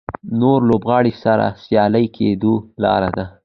نورو لوبغاړو سره سیال کېدو لاره ده.